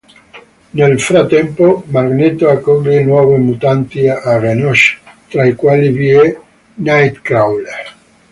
Nel frattempo, Magneto accoglie nuovi mutanti a Genosha, tra i quali vi è Nightcrawler.